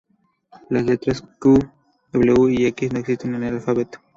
Las letras Q, W y X no existen en el alfabeto.